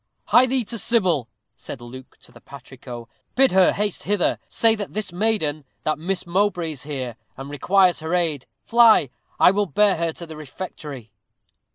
"Hie thee to Sybil," said Luke to the patrico. "Bid her haste hither. Say that this maiden that Miss Mowbray is here, and requires her aid. Fly! I will bear her to the refectory."